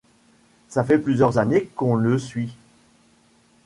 Ça fait plusieurs années qu'on le suit